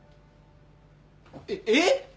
えっえっ！？